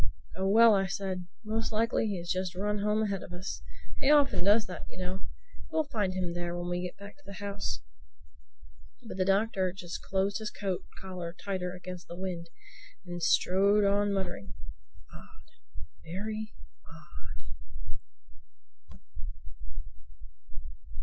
"Oh well," I said, "most likely he has just run home ahead of us. He often does that, you know. We'll find him there when we get back to the house." But the Doctor just closed his coat collar tighter against the wind and strode on muttering, "Odd—very odd!"